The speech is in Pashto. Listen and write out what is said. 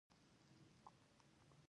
په لوی مقصد کې لومړی اقدام کوونکی.